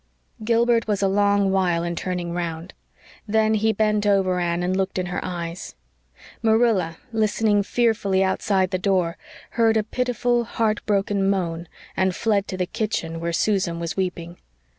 Gilbert was a long while in turning round; then he bent over Anne and looked in her eyes. Marilla, listening fearfully outside the door, heard a pitiful, heartbroken moan, and fled to the kitchen where Susan was weeping.